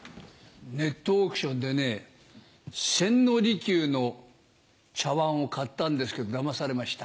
ネットオークションでね千利休の茶わんを買ったんですけどだまされました。